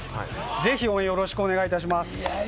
ぜひ、応援よろしくお願いいたします。